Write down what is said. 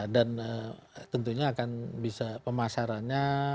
dan tentunya akan bisa pemasarannya